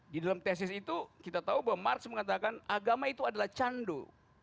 di dalam tesis itu kita tahu bahwa mars mengatakan agama itu adalah candu